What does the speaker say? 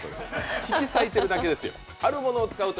引き裂いているだけですよ。